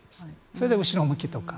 それで後ろ向きとか。